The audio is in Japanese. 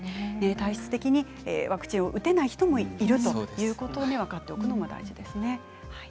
体質的にワクチンを打てない人もいるということを分かっていることも大事ですね。